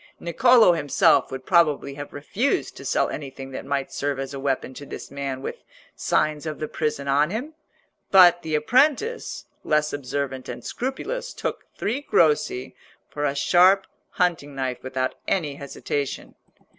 Niccolò himself would probably have refused to sell anything that might serve as a weapon to this man with signs of the prison on him; but the apprentice, less observant and scrupulous, took three grossi for a sharp hunting knife without any hesitation.